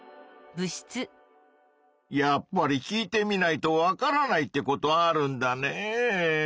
やっぱり聞いてみないとわからないってことあるんだねぇ。